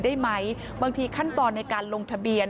ได้ไหมบางทีขั้นตอนในการลงทะเบียน